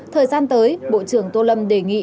thời gian tới bộ trưởng tô lâm đề nghị